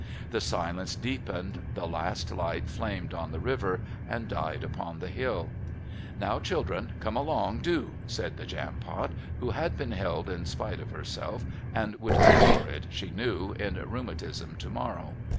The silence deepened, the last light flamed on the river and died upon the hill. "Now, children, come along do," said the Jampot who had been held in spite of herself, and would pay for it, she knew, in rheumatism to morrow.